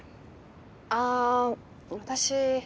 ああ私